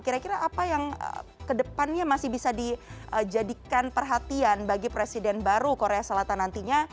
kira kira apa yang kedepannya masih bisa dijadikan perhatian bagi presiden baru korea selatan nantinya